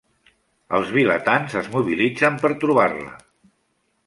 Els vilatans es mobilitzen per trobar-la.